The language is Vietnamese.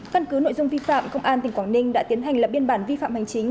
căn cứ nội dung vi phạm công an tỉnh quảng ninh đã tiến hành lập biên bản vi phạm hành chính